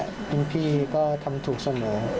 เขาก็บอกว่าที่นี่พี่ก็ทำถูกเสมอ